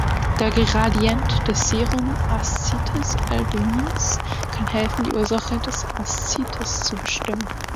Der Gradient des Serum-Aszites-Albumins kann helfen, die Ursache des Aszites zu bestimmen.